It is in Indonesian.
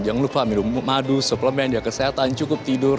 jangan lupa minum madu suplemen di kesehatan cukup tidur